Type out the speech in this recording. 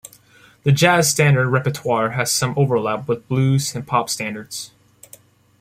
The jazz standard repertoire has some overlap with blues and pop standards.